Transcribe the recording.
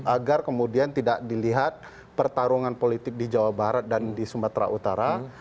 agar kemudian tidak dilihat pertarungan politik di jawa barat dan di sumatera utara